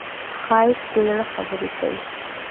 ښایست د زړه خبرې کوي